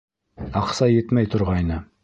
— Аҡса етмәй торғайны.